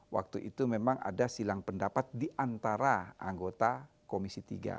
waktu itu memang ada silang pendapat di antara anggota komisi tiga